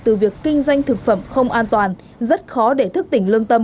từ việc kinh doanh thực phẩm không an toàn rất khó để thức tỉnh lương tâm